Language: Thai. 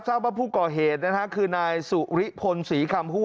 เจ้าพระผู้ก่อเหตุคือนายสูอิริพลศรีครรมฮู่